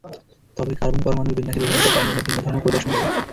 তবে কার্বন পরমাণুর বিন্যাসের ভিন্নতার কারণে এরা ভিন্ন ধর্ম প্রদর্শন করে।